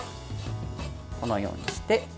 このようにして。